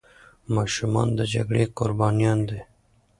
ماشومان د جګړې قربانيان دي.